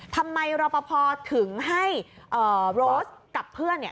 ทำไมรอปภถึงให้โรสกับเพื่อน